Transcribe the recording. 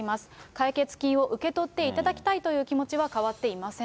解決金を受け取っていただきたいという気持ちは変わっていません。